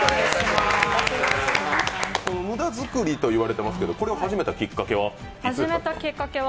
無駄づくりと言われていますが、これを始めたきっかけは？